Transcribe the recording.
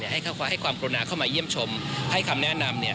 ให้ความกรุณาเข้ามาเยี่ยมชมให้คำแนะนำเนี่ย